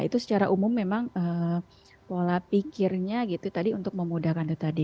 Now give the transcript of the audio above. itu secara umum memang pola pikirnya gitu tadi untuk memudahkan itu tadi